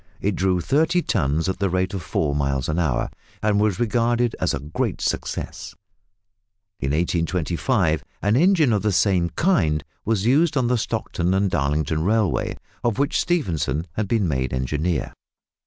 It drew thirty tons at the rate of four miles an hour, and was regarded as a great success. In 1825 an engine of the same kind was used on the Stockton and Darlington Railway, of which Stephenson had been made engineer.